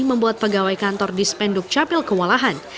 membuat pegawai kantor di spenduk capil kewalahan